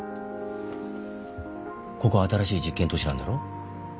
ここは新しい実験都市なんだろ？